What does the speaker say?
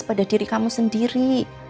pada diri kamu sendiri